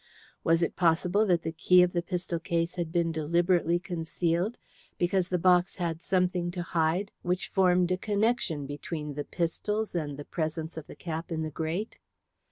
Was it possible that the key of the pistol case had been deliberately concealed because the box had something to hide which formed a connection between the pistols and the presence of the cap in the grate?